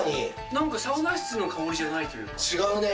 なんかサウナ室の香りじゃな違うね。